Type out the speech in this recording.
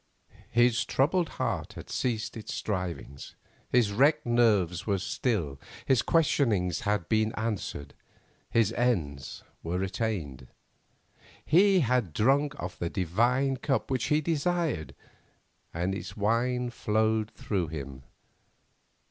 His troubled heart had ceased its striving, his wrecked nerves were still, his questionings had been answered, his ends were attained; he had drunk of the divine cup which he desired, and its wine flowed through him.